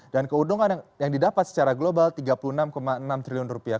dan keuntungan yang didapat secara global tiga puluh enam enam triliun rupiah